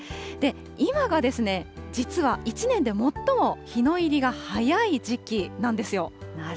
今が実は１年で最も日の入りが早い時期なんですよ。